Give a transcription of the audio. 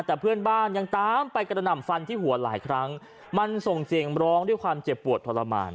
แต่เพื่อนบ้านยังตามไปกระหน่ำฟันที่หัวหลายครั้งมันส่งเสียงร้องด้วยความเจ็บปวดทรมาน